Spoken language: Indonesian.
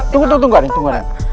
tunggu tunggu tunggu